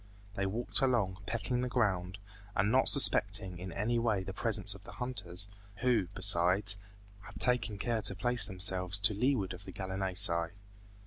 They walked along, pecking the ground, and not suspecting in any way the presence of the hunters, who, besides, had taken care to place themselves to leeward of the gallinaceae.